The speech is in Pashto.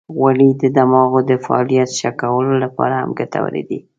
غوړې د دماغ د فعالیت ښه کولو لپاره هم ګټورې دي.